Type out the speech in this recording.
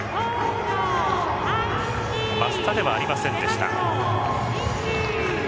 益田ではありませんでした。